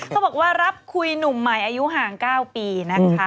เขาบอกว่ารับคุยหนุ่มใหม่อายุห่าง๙ปีนะคะ